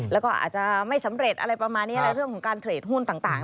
แล้วก็อาจจะไม่สำเร็จอะไรประมาณนี้อะไรเรื่องของการเทรดหุ้นต่าง